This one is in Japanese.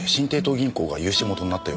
銀行が融資元になったようなんです。